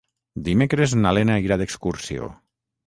Dimecres na Lena irà d'excursió.